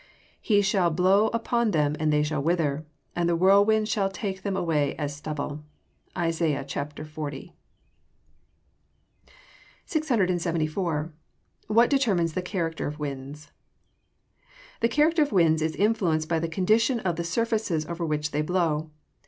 [Verse: "He shall blow upon them and they shall wither, and the whirlwind shall take them away as stubble." ISAIAH XL.] 674. What determines the character of winds? The character of winds is influenced by the condition of the surfaces over which they blow.